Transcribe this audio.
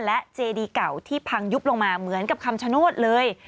และเจดีเก่าที่พังยุบลงมาเหมือนกับคำชโนธเลย